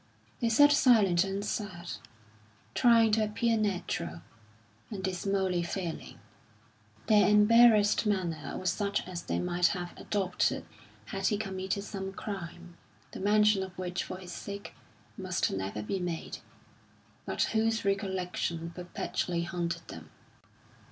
They sat silent and sad, trying to appear natural, and dismally failing; their embarrassed manner was such as they might have adopted had he committed some crime, the mention of which for his sake must never be made, but whose recollection perpetually haunted them.